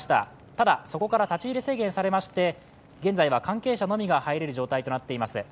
ただそこから立ち入り制限されまして現在は関係者のみが入れる状態となっています。